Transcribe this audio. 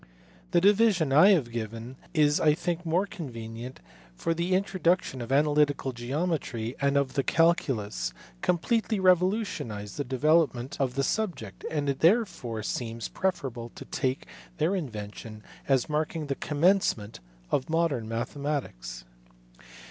The division I have given is I think more con venient, for the introduction of analytical geometry and of the calculus completely revolutionized the development of the subject, and it therefore seems preferable to take their in vention as marking the commencement of modern mathematics.